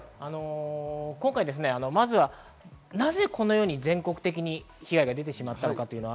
今回まずはなぜこのように全国的に被害が出てしまったのか。